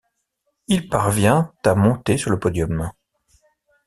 Il parvient à monter sur le podium.